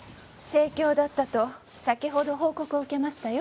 盛況だったと先ほど報告を受けましたよ